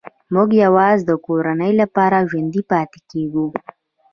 موږ یوازې د کورنۍ لپاره ژوندي پاتې کېږو